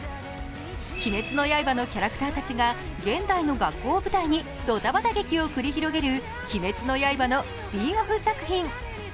「鬼滅の刃」のキャラクターたちが現代の学校を舞台にドタバタ劇を繰り広げる「鬼滅の刃」のスピンオフ作品。